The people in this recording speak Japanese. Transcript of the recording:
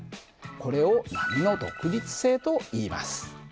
これを波の独立性といいます。